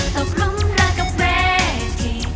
ตกลุ้มรักกับเวที่